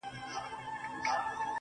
د گران صفت كومه.